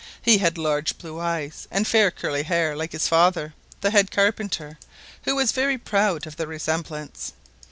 He had large blue eyes and fair curly hair, like his father, the head carpenter, who was very proud of the resemblance.